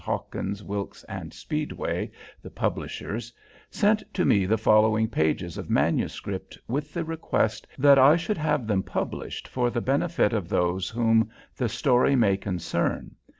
Hawkins, Wilkes & Speedway, the publishers, sent to me the following pages of manuscript with the request that I should have them published for the benefit of those whom the story may concern.